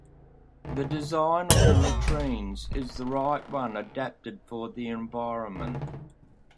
The design of the latrines is the right one adapted for the environment.